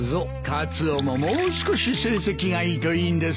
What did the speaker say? カツオももう少し成績がいいといいんですが。